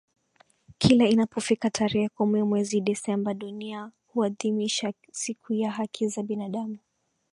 kila inapofika tarehe kumi mwezi desemba dunia huadhimisha siku ya haki za binadamu